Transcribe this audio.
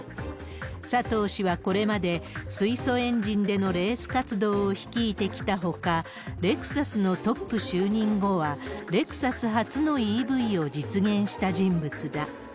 佐藤氏はこれまで、水素エンジンでのレース活動を率いてきたほか、レクサスのトップ就任後は、レクサス初のＥＶ自動車を実現した人物だ。